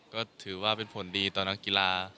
ก็ถือว่าเป็นผลดีต่อนักกีฬา